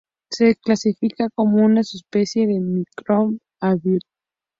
Se clasifica como una subespecie de Mycobacterium avium.